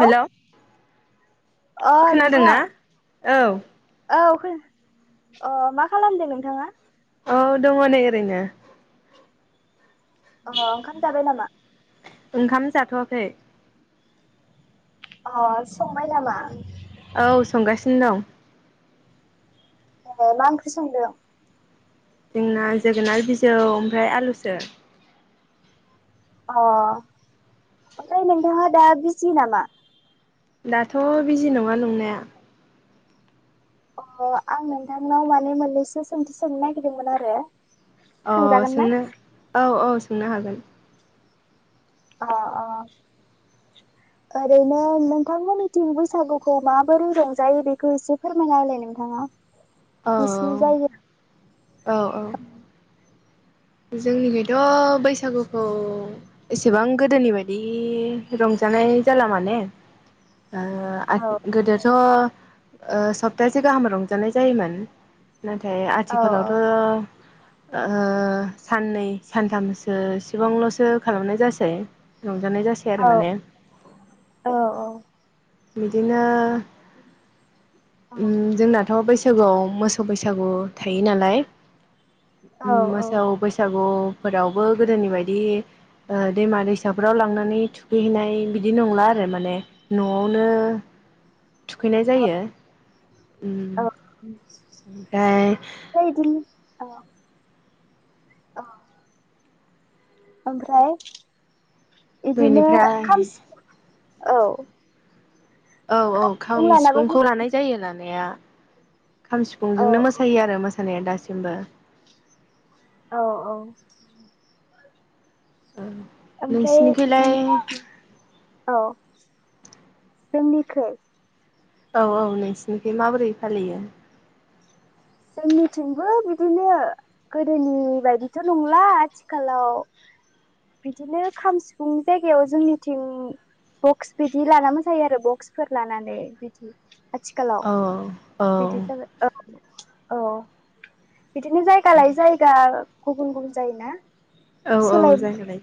Hello अ नोंथां औ खो अ मा खालामदो नोंथाङा? औ दङ नै ओरैनो अह ओंखाम जाबाय नामा? ओंखाम जाथवाखै अ संबाय नामा? औ संगासिनो दं ए मा ओंख्रि संदों? जोंना जोगोनार बिजौ ओमफ्राय आलुसो अ ओमफ्राय नोंथाङा दा बिजि नामा? दाथ' बिजि नङा नंनाया अ आं नोंथांनाव माने मोननैसो सोंथि सोंनो नागिरदोंमोन आरो अ सोंजागोन ना सोंनो औ औ सोंनो हागोन अ अ ओरैनो नोंथांमोननिथिं बैसागुखौ माबोरै रंजायो बेखौ एसे फोरमायना होलाय नोंथाङा औ नोंसिनि जायगायाव औ जोंनिखैथ' बैसागुखौ एसेबां गोदोनि बायदि रंजानाय जाला माने ओ गोदोथ' ओ सप्तासे गाहाम रंजानाय जायोमोन। नाथाय औ आथिखालावथ' ओ साननै सानथामसो इसिबांल'सो खालामनाय जासै रंजानाय जासै औ आरो माने औ औ बिदिनो औ उम जोंनाथ' बै सागुयाव मोसौ बैसागु थायो नालाय औ ओम औ मोसौ बैसागु फोरावबो गोदोनि बायदि ओ दैमा दैसाफ्राव लांनानै थुखैहैनाय बिदि नंला आरो माने न'आवनो थुखैनाय औ जायो उम औ ओमफ्राय फ्राय इदिनो अ अ ओमफ्राय [inaudible] इदिनो बेनिफ्राय खाम सिफु [inaudible] औ औ औ मुं खाम लानाबो सिफुंखौ लानाय जायो लानाया, खाम औ सिफुंजोंनो मोसायो आरो मो मोसानाया दासिमबो औ औ ओ ओमफ्राय नों नोंसिनिखलाय औ [inaudible] जोंनिखै औ औ नोंसिनिखाय माबोरै फालियो? जोंनिथिंबो बिदिनो गोदोनि बायदिथ' नंला आथिखालाव बिदिनो खाम सिफुंनि जायगायाव जोंनिथिं बक्स बिदि लाना मोसायो आरो बक्सफोर लानानै बिदि आथिखालाव औ औ बिदि जाबाय औ [inaudible] औ बिदिनो जायगा लायै जायगा गुबुन गुबुन जायोना। औ औ सोलायबाय जागा लायै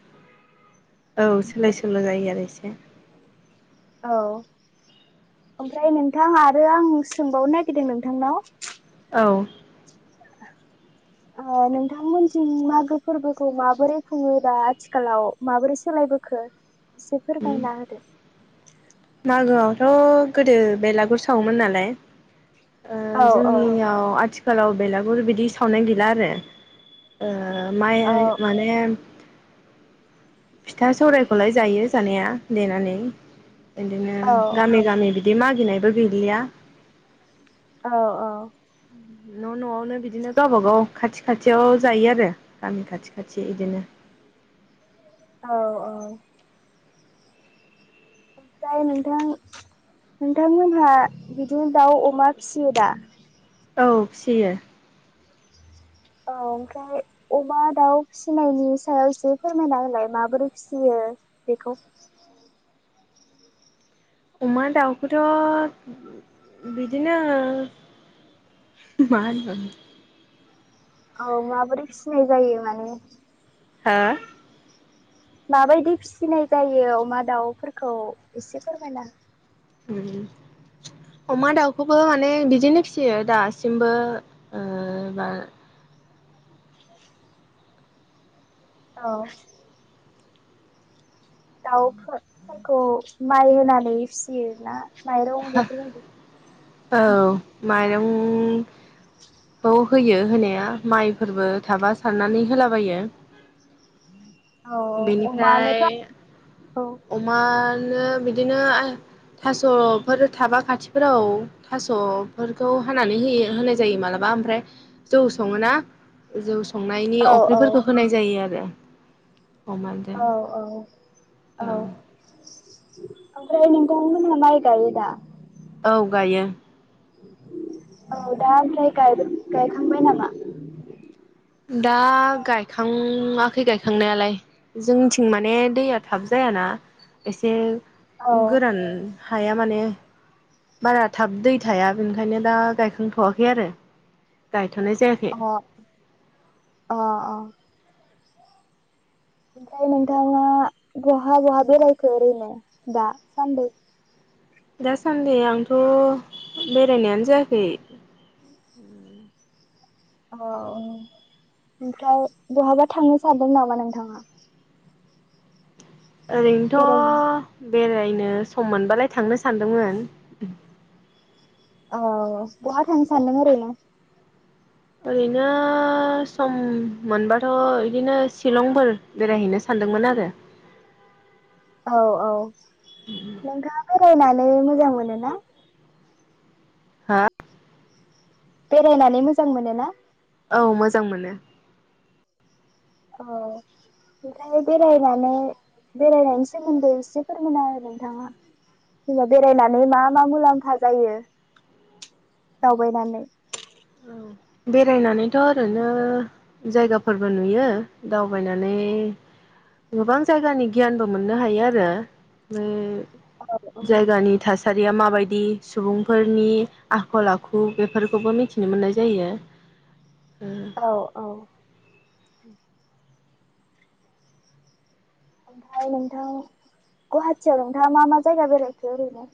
औ सोलाय सोल' जायो आरो एसे। औ ओमफ्राय नोंथां आरो आं सोंबावनो नागिरदों नोंथांनाव औ [inaudible] ओ नोंथांमोनजों मागो फोरबोखौ माबोरै खुङो दा आथिखालाव? माबोरै सोलायबो खौ एसे फोरमायना होदो। मागोआवथ' गोदो बेलागुर सावोमोन नालाय। ओ औ औ जोंनियाव आथिखालाव बेलागुर बिदि सावनाय गैला आरो। ओ माइ औ माने फिथा सौरायखौलाय जायो जानाया देनानै। इदिनो औ गामि गामि बि दि मागिनायबो गैलिया। औ औ। न' न'आवनो बिदिनो गावबा गाव खाथि खाथियाव जायो आरो गामि खाथि खाथि इदिनो। औ औ। ओमफ्राय नोंथां नोंथांमोनहा बिदिनो दाउ अमा फिसियो दा? औ फिसियो। औ ओमफ्राय अमा दाउ फिसिनायनि सायावसो फोरमायनालाय माबोरै फिसियो बेखौ? अमा दाउखौथ' [inaudible] बिदिनो मा [unintelligible] औ माबोरै फिनाय जायो माने? हा माबायदि फिसिनाय जायो अमा दाउफोरखौ एसे फोरमायना [inaudible] अमा दाउखौबो माने बिदिनो फिसियो दासिमबो ओ बा औ दाउफो फोरखौ माइ होनानै फिसियोना माइरं बेफोरबायदि औ माइरं खौ होयो होनाया माइफोरबो थाबा सारनानै होलाबायो। औ अमा बेनिफ्राय [unintelligible] औ अमानो बिदिनो थास' फोर थाबा खाथिफोराव थास'फोरखौ हानानै होयो होनाय जायो मालाबा ओमफ्राय जौ सङोना, जौ संनायनि औ औ अफ्रिफोरखौ होनाय जायो आरो। अमाजों औ औ [inaudible] औ। ओमफ्राय नोंथांमोनहा माय गायोदा? औ गायो। औ दा ओमफ्राय गायबा- गायखांबाय नामा? दा गायखांआखै गायखांनायालाय जोंथिं माने दैया थाब जायाना एसे औ गोरान हाया माने बारा थाब दै थाया बेनिखायनो दा गायखांथ'वाखै आरो गायथ'नाय जायाख अ अ अ ओमफ्राय नोंथाङा बहा बहा बेरायखो ओरैनो दा सान्दै? दासान्दि आंथ' बेरायनायानो जायाखै। अ अ ओमफ्राय बहाबा थांनो सानदों नामा नोंथाङा? बेरायहैनो ओरैनोथ' बेरायनो सम मोनबालाय थांनो सानदोंमोन। अ बहा थांनो सान्दों ओरैनो? ओरैनो सम मोनबाथ' इदिनो शिलंफोर बेरायहैनो सानदोंमोन आरो औ औ नोंथाङा बेरायनानै मोजां मोनो ना हा बेरायनानै मोजां मोनो ना औ मोजां मोनो औ ओमफ्राय बेरायनानै बेरायनायनि सोमोन्दै एसे फोरमाना हो नोंथाङा जेनबा बेरायनानै मा मा मुलाम्फा जायो दावबायनानै औ बेरायनानैथ' ओरैनो जायगाफोरबो नुयो दावबायनानै गोबां जायगानि गियानबो मोननो हायोआरो बे औ औ जायगानि थासारिया माबायदि सुबुंफोरनि आखल आखु बेफोरखौबो मिथि मिथिनो मोननाय जायो ओ औ औ ओमफ्राय नोंथां गुवाहाटियाव नोंथाङा मा मा जायगा बेरायखो ओरैनो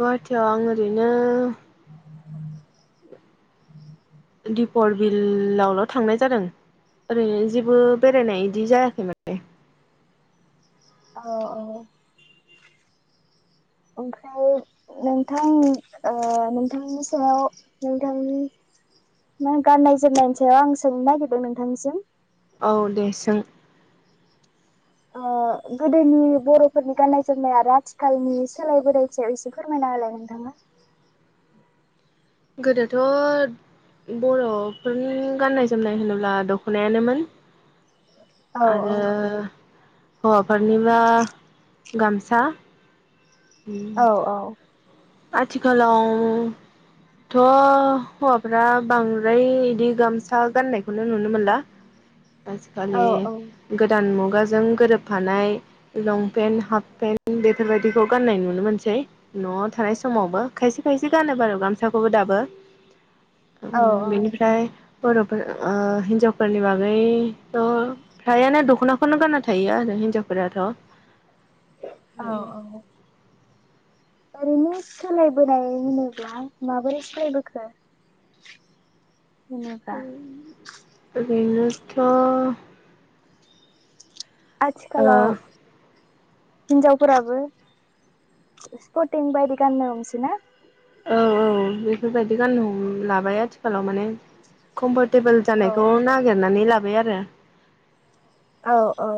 गुवाहाटियाव आं ओरैनो दिपर बिलावल' थांनाय जादों ओरैनो जेबो बेरायनाय इदि जायाखै माने औ औ ओमफ्राय नोंथां ओ नोंथांनि सायाव नोंथांनि नों गाननाय जोमनायनि सायाव आं सोंनो नागिरदों नोंथांनिसिम औ दे सों ओ गोदोनि बर'फोरनि गाननाय जोमनाय आरो आथिखालनि सोलाय बोनाय सायाव एसे फोरमायना होलाय नोंथाङा गोदोथ' बर'फोरनि गाननाय जोमनाय होनोब्ला दख'नायानोमोन औ आरो हौवाफोरनिब्ला गामसा औ औ आथिखालाव थ' हौवाफ्रा बांद्राय इदि गामसा गाननायखौनो नुनो मोनला [inaudible] आजिखालि औ गोदान मुगाजों गोरोबफानाय लंपेन्ट, हाफ पेन्ट बेफोरबायदिखौ गान्नाय नुनो मोनसै नवाव थानाय समावबो खायसे खायसे गानो बारु गामसाखौबो दाबो ओम औ बेनिफ्राय बर'फोर ओ हिनजावफोरनि बागैथ' फ्रायानो दख'नाखौनो गानना थायोआरो हिनजावफोराथ' औ औ ओरैनोथ' ओरैनो सोलायबोनाय होनोब्ला माबोरै सोलायबोखो होनोबा ओरैनोथ' औ आथिखालाव हिनजावफोराबो स्पटिं बायदि गाननो हमसै ना औ औ बेफोरबायदि गाननो लाबाय आथिखालाव माने कमफरटेबोल औ जानायखौ नागिरनानै लाबायआरो औ औ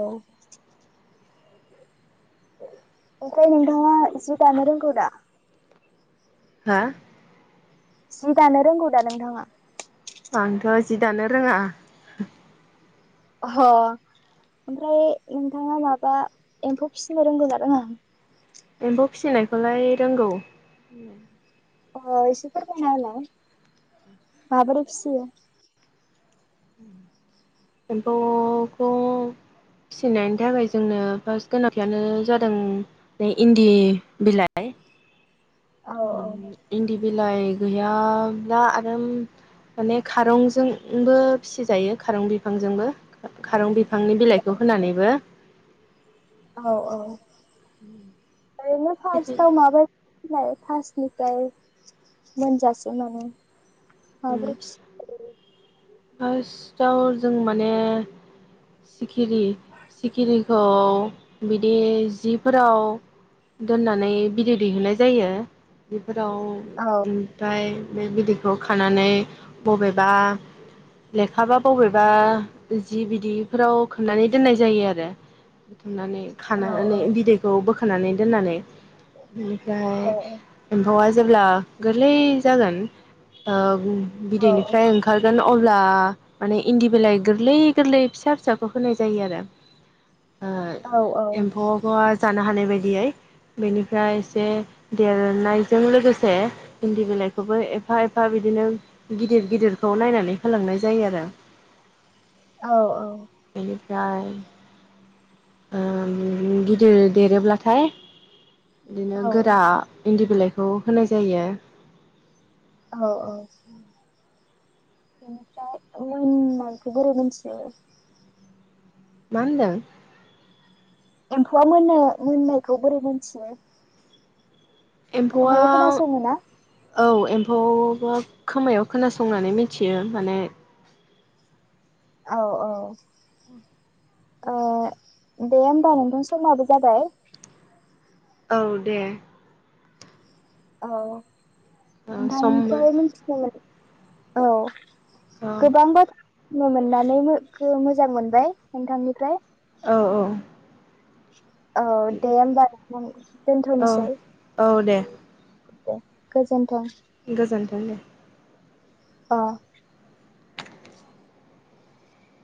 ओमफ्राय नोंथाङा जि दानो रोंगौदा हा जि दानो रोंगौ दा नोंथाङा आंथ' जि दानो रोङा अ ओमफ्राय नोंथाङा माबा एम्फौ फिसिनो रोंगौ रङं एम्फौ फिसिनायखौलाय रोंगौ [inaudible] अ इसेफोरालाय [unintelligible] एमफौखौ फिसिनायनि थाखाय जोंनो फार्स्ट गोनांथियानो जादों बे इन्दि बिलाइ औ औ इन्दि बिलाइ गैयाब्ला आरो माने खारंजोंबो फिसिजायो खारं बिफांजोंबो खारं बिफांनि बिलाइखौ होनानैबो औ औ ओरैनो फार्स्टआव माबाय फासनिफ्राय मोनजासनानै माब्रै फार्स्टआव जों माने सिखिरि सिखिरिखौ बिदि जिफोराव दोननानै भिडियअ दैहुननाय जायो बेफोराव औ ओमफ्राय बे बिदैखौ खानानै बबेबा लेखाबा बबेबा जि बिदिफोराव खोननानै दोननाय जायो आरो बुथुमनानै औ खानानै बिदैखौ बोखोनानै दोननानै बेनिफ्राय औ एम्फौआ जेब्ला गोरलै जागोन औ बिदैनिफ्राय ओंखारगोन अब्ला माने इन्दि बिलाइ गोरलै गोरलै फिसा फिसाखौ होनाय जायो आरो ओ औ एम्फौ जानो हानाय बायदियै बेनिफ्राय एसे देरनायजों लोगोसे इन्दि बिलाइखौबो एफा एफा बिदिनो गिदिर गिदिरखौ नायनानै होलांनाय जायो आरो औ औ बेनिफ्राय ओ गिदिर देरोब्लाथाय बिदिनो औ गोरा इन्दि बिलाइखौ होनाय जायो औ औ बेनिफ्राय उनखौ बोरै मोनसो मा होनदों एम्फौआ मोन मोननायखौ बोरै मोनथियो एम्फौआ खोमायाव खोनासङो ना? औ एम्फौ खोमायाव खोनासंनानै मिथियो माने औ औ दे होमबा नोंथां समाबो जाबाय औ दे औ ओ सम नोंथांफ्राय औ मिथि [unintelligible] औ गोबां बाथ मोननानै मो गो मोजां मोनबाय नोंथांनिफ्राय औ - औ। औ दे होमबा दोन - औ दोनथ'नोसै। औ दे दे गोजोनथों। गोजोन्थों दे। अ।